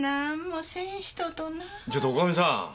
ちょっと女将さん。